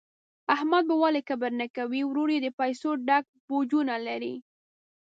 احمد به ولي کبر نه کوي، ورور یې د پیسو ډک بوجونه لري.